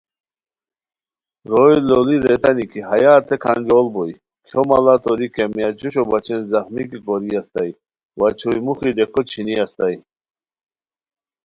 روئے لوڑی ریتانی کی ہیہ ہتے کھانجوڑ بوئے کھیو ماڑہ توری کیمیا جوشو بچین زخمی کی کوری استائے وا چھوئے موخی ڈیکو چھینی استائے